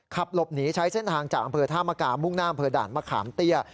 ขับหลบหนีใช้เส้นทางจากอำเภอธามกามุ่งหน้าอำเภอด่านมะขามเตี้ย